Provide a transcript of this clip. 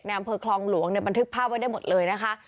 อำเภอคลองหลวงเนี่ยบันทึกภาพไว้ได้หมดเลยนะคะ